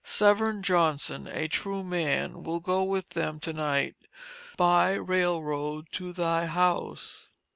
Severn Johnson, a true man, will go with them to night by rail road to thy house.